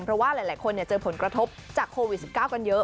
เพราะว่าหลายคนเจอผลกระทบจากโควิด๑๙กันเยอะ